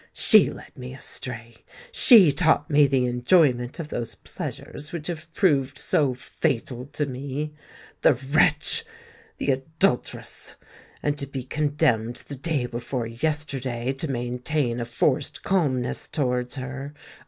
She led me astray: she taught me the enjoyment of those pleasures which have proved so fatal to me! The wretch—the adulteress! And to be condemned the day before yesterday to maintain a forced calmness towards her!